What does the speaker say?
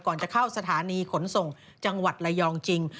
จะเข้าสถานีขนส่งจังหวัดระยองจริง